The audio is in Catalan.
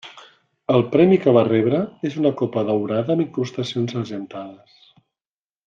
El premi que va rebre és una copa daurada amb incrustacions argentades.